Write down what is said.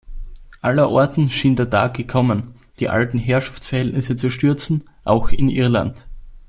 Allerorten schien der Tag gekommen, die alten Herrschaftsverhältnisse zu stürzen, auch in Irland.